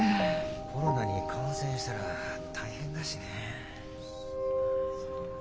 コロナに感染したら大変だしね。